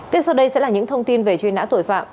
tiếp sau đây sẽ là những thông tin về truy nã tội phạm